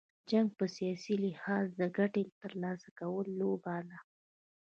جنګ په سیاسي لحاظ، د ګټي تر لاسه کولو لوبه ده.